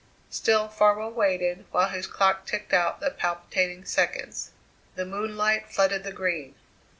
Still Farwell waited while his clock ticked out the palpitating seconds. The moonlight flooded the Green.